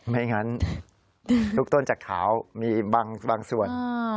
ไม่งั้นลูกต้นจะขาวมีบางส่วน